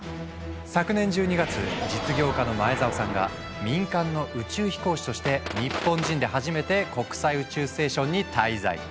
昨年１２月実業家の前澤さんが民間の宇宙飛行士として日本人で初めて国際宇宙ステーションに滞在。